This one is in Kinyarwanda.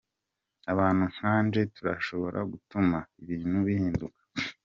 Abantu nkanje turashobora gutuma ibintu bihinduka.